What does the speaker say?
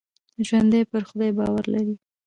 ژوندي پر خدای باور لري